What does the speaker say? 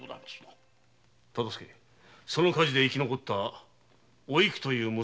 その火事で生き残った「おいく」という娘の行方は？